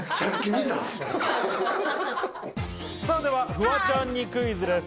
フワちゃんにクイズです。